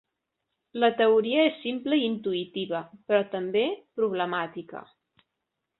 La teoria és simple i intuïtiva, però també problemàtica.